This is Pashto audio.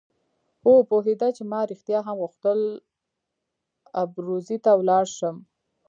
خو پوهېده چې ما رښتیا هم غوښتل ابروزي ته ولاړ شم.